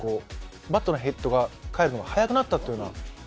バッドのヘッドが返るのが早くなった。